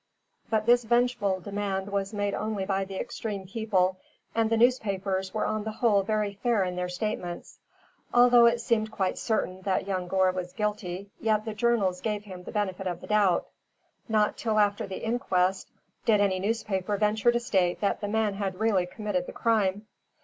But this vengeful demand was made only by the extreme people, and the newspapers were on the whole very fair in their statements. Although it seemed quite certain that young Gore was guilty, yet the journals gave him the benefit of the doubt. Not till after the inquest did any newspaper venture to state that the man had really committed the crime.